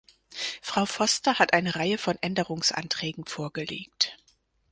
Frau Foster hat eine Reihe von Änderungsanträgen vorgelegt.